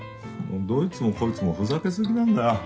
どいつもこいつもふざけすぎなんだよ。